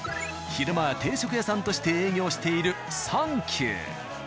昼間は定食屋さんとして営業している「三九」。